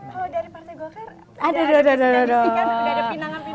kalau dari partai go fair ada yang disingkat udah ada pinangan pinangan